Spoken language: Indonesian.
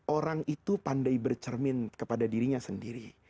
orang itu pandai bercermin kepada dirinya sendiri